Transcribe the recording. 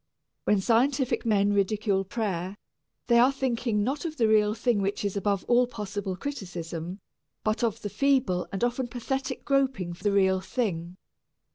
When scientific men ridicule prayer, they are thinking not of the real thing which is above all possible criticism, but of the feeble and often pathetic groping for the real thing.